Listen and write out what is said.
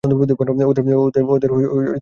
ওদের ছাড়বেন না।